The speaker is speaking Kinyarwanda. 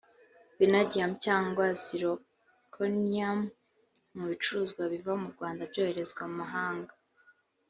vanadium cyangwa zirconium mu bicuruzwa biva mu Rwanda byoherezwa mu mahanga